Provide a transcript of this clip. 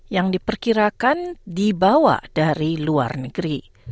yang diperkirakan dibawa dari luar negeri